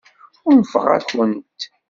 Unfeɣ-akent.